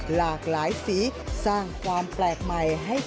หลากหลายสีสร้างความแปลกใหม่ให้